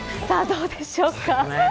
どうでしょうか。